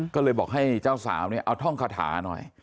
ก็เลยบอกให้เจ้าสาวเนี่ยเอาท่องคาถาหน่อย